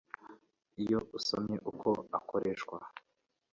iyo usomye uko akoreshwa